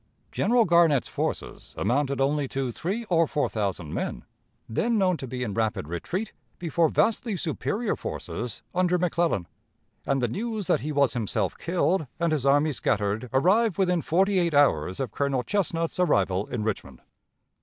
General Garnett's forces amounted only to three or four thousand men, then known to be in rapid retreat before vastly superior forces under McClellan, and the news that he was himself killed and his army scattered arrived within forty eight hours of Colonel Chesnut's arrival in Richmond.